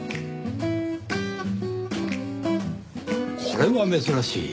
これは珍しい。